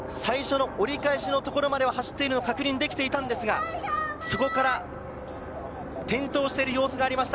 最初の折り返しの前では走っているのを確認できたんですが、そこから転倒している様子がありました。